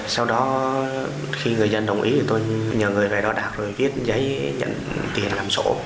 sau đó khi người dân đồng ý thì tôi nhờ người về đó đạc rồi viết giấy nhận tiền làm sổ